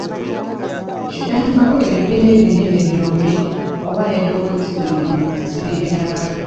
Ekyo kyayambako ebibiina ebinene byombi okuba n'eddoboozi mu nsi yaabyo.